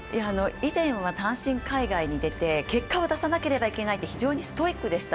以前は単身海外に出て結果を出さなければいけないと非常にストイックでした。